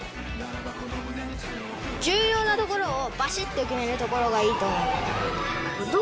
重要なところをばしっと決めるところがいいと思う。